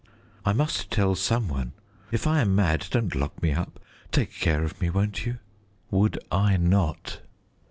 "I must tell some one. If I am mad, don't lock me up. Take care of me, won't you?" Would I not?